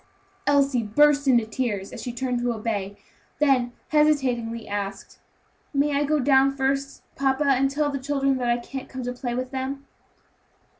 Elsie burst into tears, as she turned to obey, then, hesitatingly, asked, "May I go down first, papa, and tell the children that I can't come to play with them?"